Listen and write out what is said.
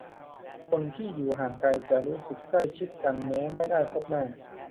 คนที่อยู่ห่างไกลจะรู้สึกใกล้ชิดกันแม้ไม่ได้พบหน้า